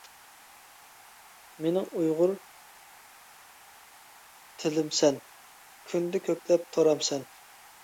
مېنىڭ ئۇيغۇر تىلىمسەن، كۈندە كۆكلەپ تۇرامسەن.